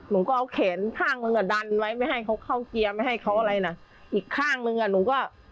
หนูก็เอาแขนข้างหนึ่งอ่ะดันไว้ไม่ให้เขาเข้าเกียร์ไม่ให้เขาอะไรน่ะอีกข้างหนึ่งอ่ะหนูก็